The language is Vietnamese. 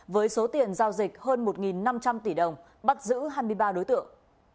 với số tiền giao dịch hơn một năm trăm linh tỷ đồng bắt giữ hai mươi ba đối tượng